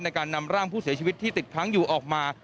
ในการนำร่างผู้เสียชีวิตที่ติดค้างอยู่ออกมา